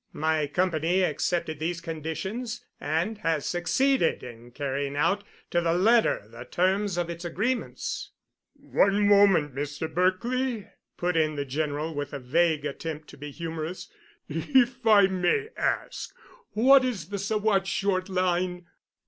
My company accepted these conditions and has succeeded in carrying out to the letter the terms of its agreements——" "One moment, Mr. Berkely," put in the General with a vague attempt to be humorous, "if I may ask, what is the Saguache Short Line?